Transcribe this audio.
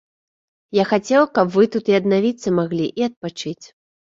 Я хацеў, каб вы тут і аднавіцца маглі, і адпачыць.